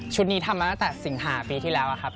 นี้ทำมาตั้งแต่สิงหาปีที่แล้วครับ